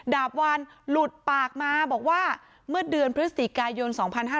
ดาบวานหลุดปากมาบอกว่าเมื่อเดือนพฤศจิกายน๒๕๕๙